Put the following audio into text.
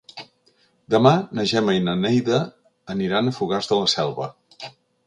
Demà na Gemma i na Neida aniran a Fogars de la Selva.